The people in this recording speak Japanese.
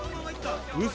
嘘？